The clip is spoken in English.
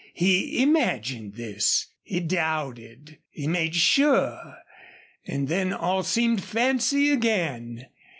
He imagined this; he doubted; he made sure; and then all seemed fancy again.